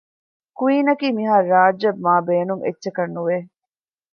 ކްއީންއަކީ މިހާރު ރާޖްއަށް މާބޭނުން އެއްޗަކަށް ނުވެ